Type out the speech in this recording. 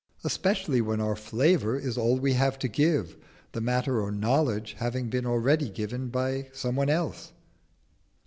especially when our flavour is all we have to give, the matter or knowledge having been already given by somebody else.